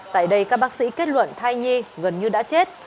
tại đây các bác sĩ kết luận thai nhi gần như đã chết